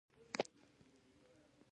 کلتور د افغان کلتور په داستانونو کې راځي.